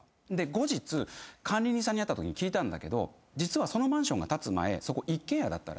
後日管理人さんに会ったときに聞いたんだけど実はそのマンションが建つ前そこ一軒家だったらしくて。